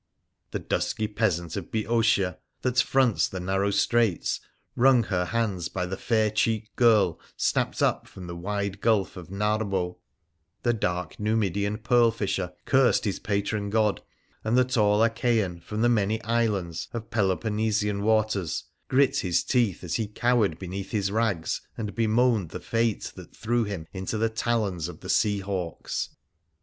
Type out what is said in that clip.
The dusky peasant of Boeotia, that fronts the narrow straits, wrung her hands by the fair cheeked girl snapped up from the wide Gulf of Narbo ; the dark Numidian pearl fisher cursed his patron god ; and the tall Achaian from the many islands of Peloponnesian waters grit his teeth as he cowered beneath his rags and bemoaned the fate that threw him into the talons of the sea hawks.